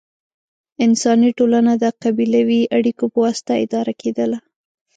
انساني ټولنه د قبیلوي اړیکو په واسطه اداره کېدله.